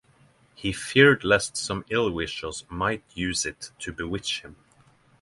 He feared lest some ill-wisher might use it to bewitch him.